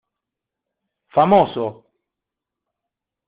¡ famoso!